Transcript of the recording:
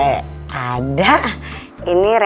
tidak ada yang mau main sama saya